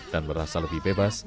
dan merasa lebih bebas